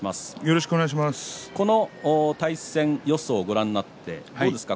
この対戦予想をご覧になってどうですか？